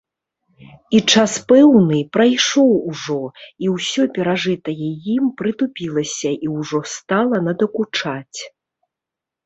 І час пэўны прайшоў ужо, і ўсё перажытае ім прытупілася і ўжо стала надакучаць.